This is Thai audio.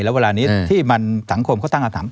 แล้วเวลานี้ที่สังคมก็ตั้งตาม